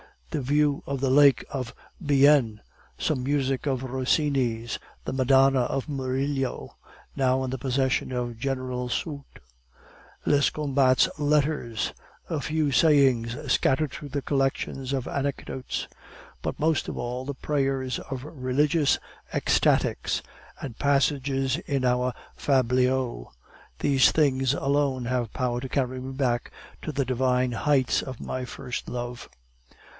The view of the lake of Bienne, some music of Rossini's, the Madonna of Murillo's now in the possession of General Soult, Lescombat's letters, a few sayings scattered through collections of anecdotes; but most of all the prayers of religious ecstatics, and passages in our fabliaux, these things alone have power to carry me back to the divine heights of my first love.